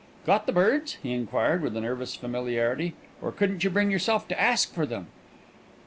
"Got the birds?" he inquired, with a nervous familiarity, "or couldn't you bring yourself to ask for them?"